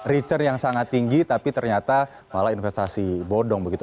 return yang sangat tinggi tapi ternyata malah investasi bodong begitu